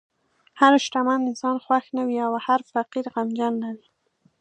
هر شتمن انسان خوښ نه وي، او هر فقیر غمجن نه وي.